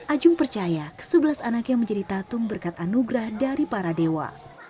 ajung percaya ke sebelas anaknya menjadi tatung berkat anugerah dari para dewa